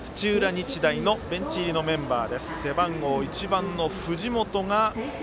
日大のベンチ入りメンバー。